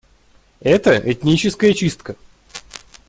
Это — этническая чистка.